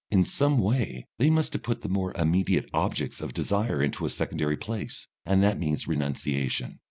In some way they must have put the more immediate objects of desire into a secondary place, and that means renunciation.